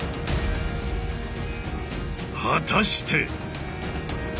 果たして！